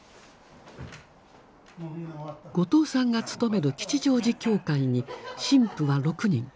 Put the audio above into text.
後藤さんがつとめる吉祥寺教会に神父は６人。